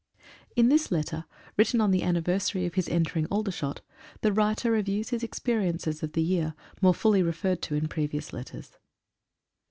(In this letter, written on the anniversary of his entering Aldershot, the writer reviews his experiences of the year, more fully referred to in previous letters.)